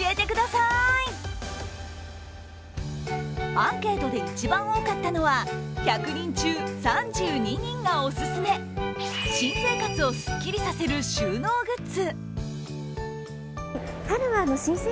アンケートで一番多かったのは１００人中３２人がオススメ新生活をスッキリさせる収納グッズ。